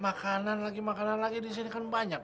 makanan lagi makanan lagi di sini kan banyak